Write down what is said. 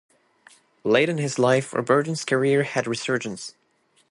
Late in his life Robertson's career had a resurgence.